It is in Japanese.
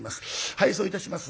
敗走いたします